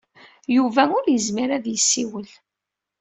Yuba ur yezmir ad yessiwel.